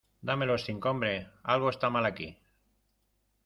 ¡ Dame los cinco, hombre! Algo está mal aquí.